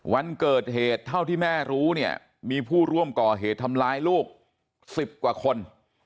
วันเกิดเหตุเท่าที่แม่รู้เนี่ยมีผู้ร่วมก่อเหตุทำร้ายลูก๑๐กว่าคน